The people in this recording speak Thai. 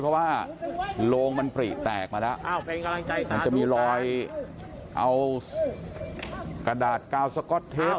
เพราะว่าโรงมันปริแตกมาแล้วมันจะมีรอยเอากระดาษกาวสก๊อตเทป